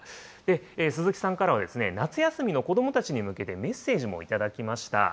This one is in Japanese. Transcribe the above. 鈴木さんからは、夏休みの子どもたちに向けてメッセージも頂きました。